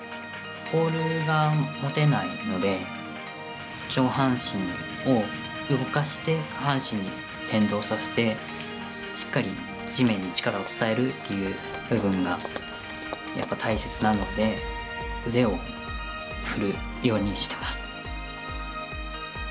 ポールが持てないので上半身を動かして下半身に連動させてしっかり地面に力を伝えるという部分がやっぱり、大切なので腕を振るようにしてます。